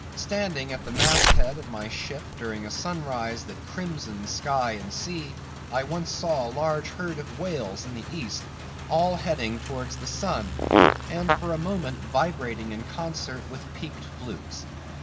Standing at the mast head of my ship during a sunrise that crimsoned sky and sea, I once saw a large herd of whales in the east, all heading towards the sun, and for a moment vibrating in concert with peaked flukes.